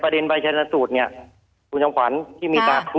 ประเด็นใบชาญนสูตรเนี่ยทุกชั้นขวัญที่มีตราคุทน์นะ